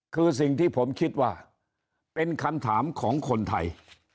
คือสิ่งที่ผมคิดว่าเป็นคำถามของคนไทย